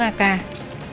một khẩu súng ak